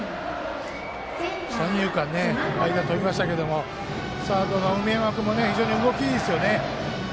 三遊間、間飛びましたけどサードの梅山君も非常に動きいいですね。